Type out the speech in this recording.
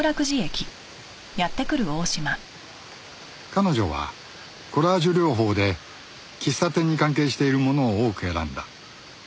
彼女はコラージュ療法で喫茶店に関係しているものを多く選んだ